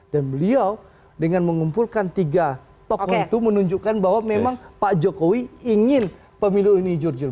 dan beliau dengan mengumpulkan tiga tokoh itu menunjukkan bahwa memang pak jokowi ingin pemilu ini jujur jujur